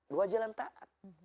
dua jalan taat